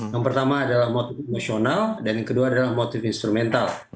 yang pertama adalah motif emosional dan yang kedua adalah motif instrumental